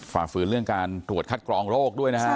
ฝ่าฝืนเรื่องการตรวจคัดกรองโรคด้วยนะฮะ